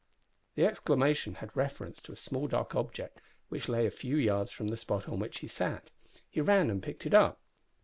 The exclamation had reference to a small dark object which lay a few yards from the spot on which he sat. He ran and picked it up.